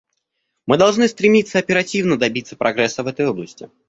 Мы должны стремиться оперативно добиться прогресса в этой области.